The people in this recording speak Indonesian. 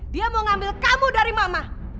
dia mau ngambil kamu dari mama